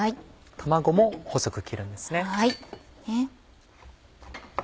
卵も細く切るんですね。